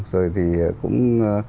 rồi thì cũng